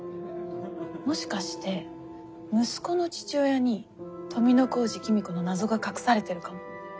もしかして息子の父親に富小路公子の謎が隠されてるかも。